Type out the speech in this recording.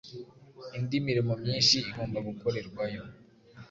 Indi mirimo myinhi igomba gukorerwayo